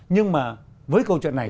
nhưng mà với câu chuyện này